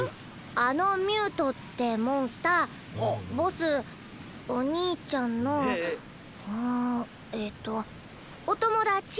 あのミュートってモンスターボスお兄ちゃんのうんえっとお友達？